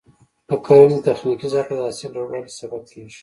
د کرنې تخنیکي زده کړه د حاصل لوړوالي سبب کېږي.